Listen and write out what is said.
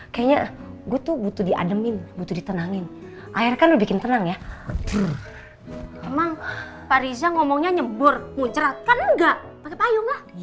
paragraf notificatif itu pada saatmu adalah vulkanumb